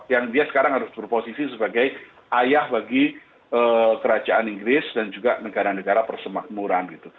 yang dia sekarang harus berposisi sebagai ayah bagi kerajaan inggris dan juga negara negara persemakmuran gitu